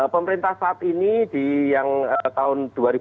pemerintah saat ini yang kemarin itu berbagai program dilakukan